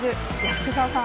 福澤さん